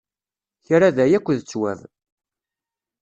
Kra da akk d ttwab.